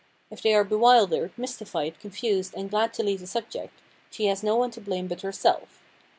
If they are bewildered, mystified, confused and glad to leave the subject, she has no one to blame but herself.